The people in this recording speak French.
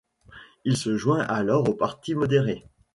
Il se joint alors au parti modéré.